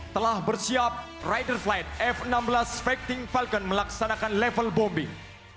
telah bersiap rider flight f enam belas fighting falcon melaksanakan level bombing